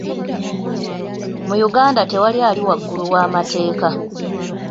Mu Uganda tewali ali waggulu w'amateeka.